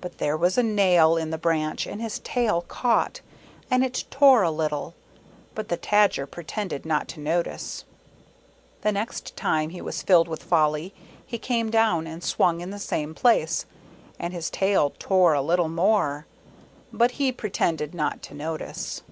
But there was a nail in the branch and his tail caught, and it tore a little, but the Tajer pretended not to notice. The next time he was filled with folly, he came down and swung in the same place ; and his tail tore a little bit more, but he pretended not to notice.